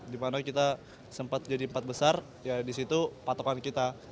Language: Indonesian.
dimana kita sempat jadi empat besar ya di situ patokan kita